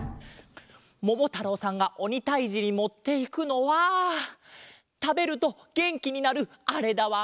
ももたろうさんがおにたいじにもっていくのはたべるとげんきになるあれだわん。